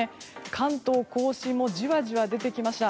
関東・甲信もじわじわ出てきました。